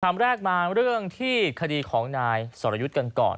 คำแรกมาเรื่องที่คดีของนายสรยุทธ์กันก่อน